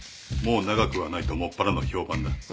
もう長くはないともっぱらの評判だ。